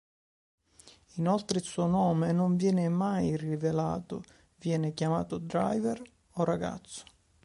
Inoltre il suo nome non viene mai rivelato, viene chiamato "Driver" o "Ragazzo".